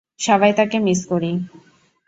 সবাই তাকে মিস করি।